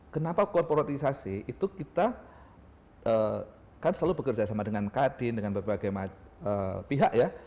kenapa korporatisasi itu kita kan selalu bekerja sama dengan kadin dengan berbagai pihak ya